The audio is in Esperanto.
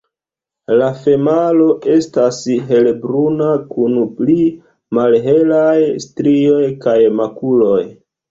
La femalo estas helbruna, kun pli malhelaj strioj kaj makuloj.